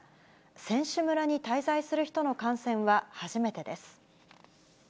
選手村に滞在する人の感染は初めてです。